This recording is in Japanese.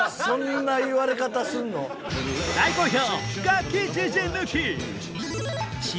大好評！